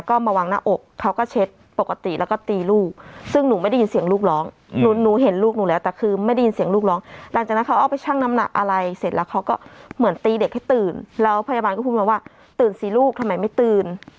เขาก็เหมือนตีเด็กให้ตื่นแล้วพยาบาลก็พูดมาว่าตื่นสิลูกทำไมไม่ตื่น